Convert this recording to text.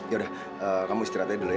yaudah kamu istirahat aja dulu ya